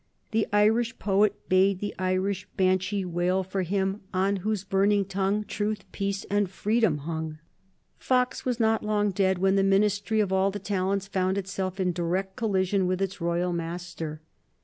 The Irish poet bade the Irish banshee wail for him on whose burning tongue, truth, peace, and freedom hung. Fox was not long dead when the Ministry of All the Talents found itself in direct collision with its royal master.